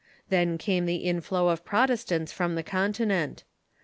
Then came the in flow of Protestants from the Continent.